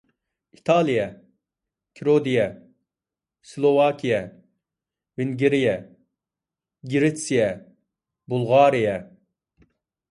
ئىتالىيە، كىرودىيە، سىلوۋاكىيە، ۋېنگىرىيە، گىرېتسىيە، بۇلغارىيە.